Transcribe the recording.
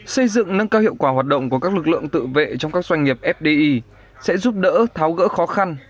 xây dựng nâng cao hiệu quả hoạt động của các lực lượng tự vệ trong các doanh nghiệp fdi sẽ giúp đỡ tháo gỡ khó khăn